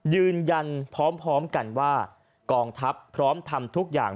ยืนยันพร้อมกันว่ากองทัพพร้อมทำทุกอย่าง